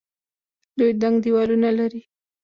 دوی دنګ دیوالونه لري.